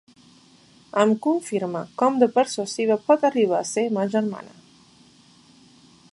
Em confirma com de persuasiva pot arribar a ser ma germana.